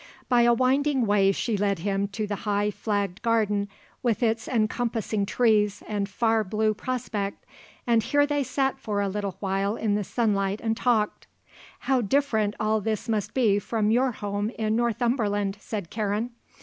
By a winding way she led him to the high flagged garden with its encompassing trees and far blue prospect, and here they sat for a little while in the sunlight and talked. "How different all this must be from your home in Northumberland," said Karen.